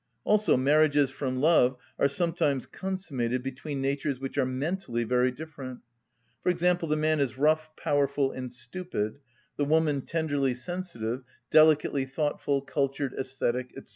Also marriages from love are sometimes consummated between natures which are mentally very different: for example, the man is rough, powerful, and stupid; the woman tenderly sensitive, delicately thoughtful, cultured, æsthetic, &c.